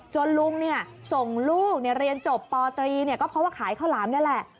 จนลุงเนี่ยส่งลูกเรียนจบป๓ก็เพราะว่าขายเข้าหลามเนี่ยแหละ